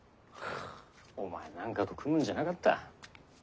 お前なんかと組むんじゃなかった。